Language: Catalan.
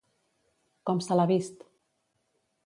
Com se l'ha vist?